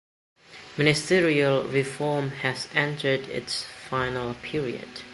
Ministerial reform has entered its final period.